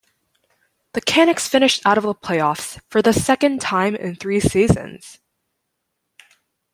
The Canucks finished out of the playoffs for the second time in three seasons.